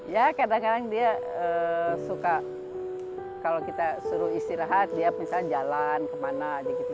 ya kadang kadang dia suka kalau kita suruh istirahat dia misalnya jalan kemana aja gitu